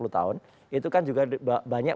sepuluh tahun itu kan juga banyak